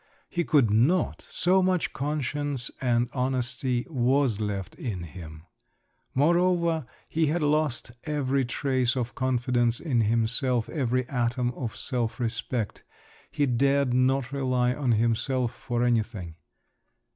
he could not, so much conscience and honesty was left in him. Moreover, he had lost every trace of confidence in himself, every atom of self respect; he dared not rely on himself for anything.